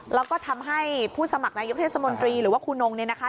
แล้วก็ทำให้ผู้สมัครนายกเทศมนตรีหรือว่าครูนงเนี่ยนะคะ